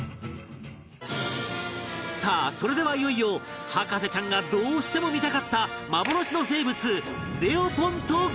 さあそれではいよいよ博士ちゃんがどうしても見たかった幻の生物レオポンとご対面